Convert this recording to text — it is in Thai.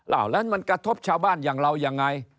แล้วมันกระทบชาวบ้านอย่างเรายังไง